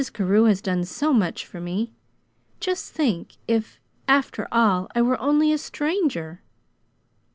Carew has done so much for me; just think if, after all, I were only a stranger!"